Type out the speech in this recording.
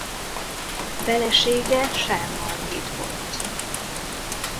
Felesége Scheer Margit volt.